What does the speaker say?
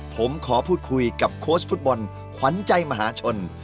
ผมขอพูดคุยกับโค้ชฟุตบอลขวัญใจมหาชน